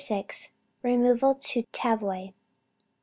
REMOVAL TO TAVOY.